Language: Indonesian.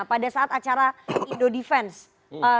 pada saat acara indo defense